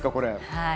はい。